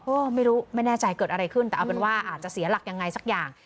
ก็ไม่รู้ไม่แน่ใจเกิดอะไรขึ้นแต่เอาเป็นว่าอาจจะเสียหลักยังไงสักอย่าง